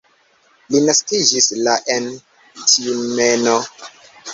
Li naskiĝis la en Tjumeno.